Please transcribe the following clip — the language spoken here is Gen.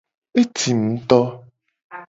Etim ngto.